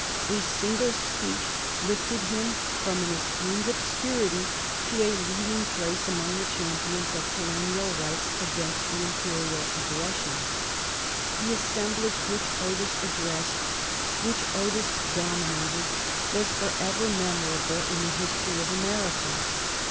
A single speech lifted him from an esteemed obscurity to a leading place among the champions of colonial rights against imperial aggressions. The assemblage which Otis addressed, which Otis dominated, was forever memorable in the history of America.